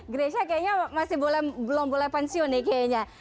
grecia kayaknya masih belum boleh pensiun nih kayaknya